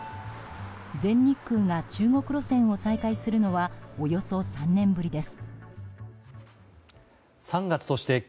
全日空が中国路線を再開するのはおよそ３年ぶりです。